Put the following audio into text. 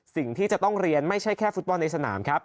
สิ่งที่จะต้องเรียนไม่ใช่แค่ฟุตบอลในสนามครับ